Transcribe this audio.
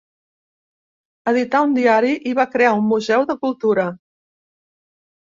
Edità un diari i va crear un Museu de Cultura.